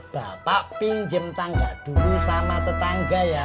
bapak pinjam tangga dulu sama tetangga ya